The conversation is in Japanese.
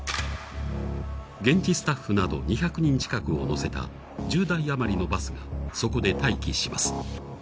現地スタッフなど２００人近くを乗せた１０台余りのバスが、そこで待機します。